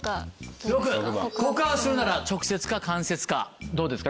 告白するなら直接か間接かどうですか？